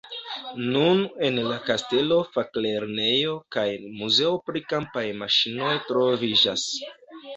Nun en la kastelo faklernejo kaj muzeo pri kampaj maŝinoj troviĝas.